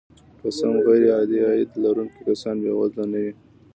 که څه هم غیرعاید لرونکي کسان بې وزله نه وي